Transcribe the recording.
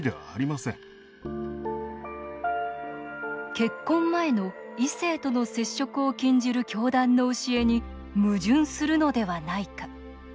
結婚前の異性との接触を禁じる教団の教えに矛盾するのではないか。